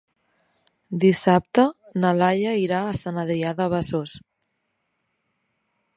Dissabte na Laia irà a Sant Adrià de Besòs.